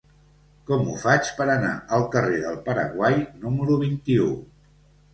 Com ho faig per anar al carrer del Paraguai número vint-i-u?